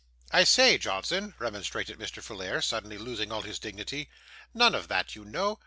'I say, Johnson,' remonstrated Mr. Folair, suddenly losing all his dignity, 'none of that, you know.